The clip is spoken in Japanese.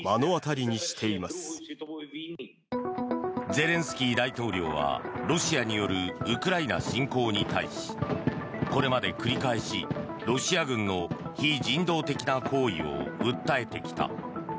ゼレンスキー大統領はロシアによるウクライナ侵攻に対しこれまで繰り返しロシア軍の非人道的な行為を訴えてきた。